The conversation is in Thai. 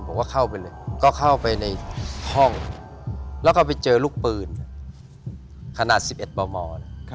ผมก็เข้าไปเลยก็เข้าไปในห้องแล้วก็ไปเจอลูกปืนขนาดสิบเอ็ดบอร์มอร์